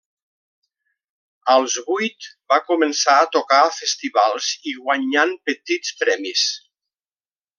Als vuit va començar a tocar a festivals i guanyant petits premis.